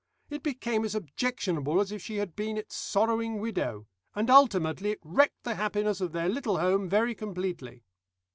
It became as objectionable as if she had been its sorrowing widow, and ultimately it wrecked the happiness of their little home very completely.